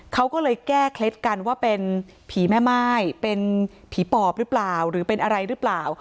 เขาก็เลยแก้เคล็ดกันว่าเป็นผีแม่ม่ายเป็นผีปอบหรือเปล่าหรือเป็นอะไรหรือเปล่า